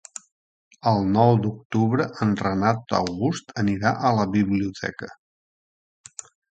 El nou d'octubre en Renat August anirà a la biblioteca.